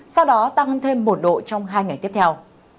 sau đó tăng hơn thêm một độ trong hai ngày tiếp theo